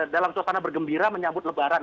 dalam suasana bergembira menyambut lebaran